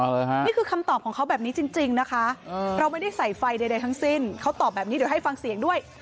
นี่คือคำตอบของเขาแบบนี้จริงนะคะเราไม่ได้ใส่ไฟใดทั้งสิ้นเขาตอบแบบนี้เดี๋ยวให้ฟังเสียงด้วย